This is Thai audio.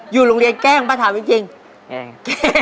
อยู่โรงเรียนแกล้งป้าถามจริงแกล้งแกล้ง